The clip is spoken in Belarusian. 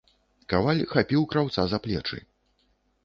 Каваль хапіў краўца за плечы.